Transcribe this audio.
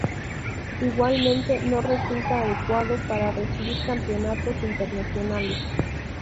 Igualmente no resulta adecuado para recibir campeonatos internacionales.